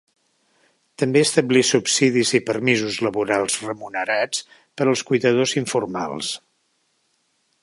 També establí subsidis i permisos laborals remunerats per als cuidadors informals.